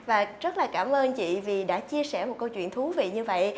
và rất là cảm ơn chị vì đã chia sẻ một câu chuyện thú vị như vậy